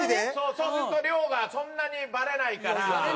そうすると量がそんなにバレないから。